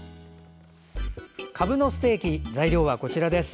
かぶのステーキ材料はこちらです。